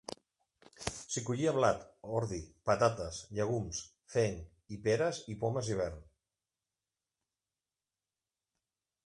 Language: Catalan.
S'hi collia blat, ordi, patates, llegums, fenc i peres i pomes d'hivern.